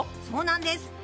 そうなんです。